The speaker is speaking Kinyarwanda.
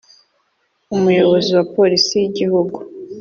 umuyobozi wa polisi y igihugu